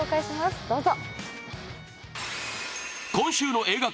どうぞ。